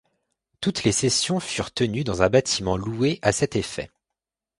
Toutes les sessions furent tenues dans un bâtiment loué à cet effet.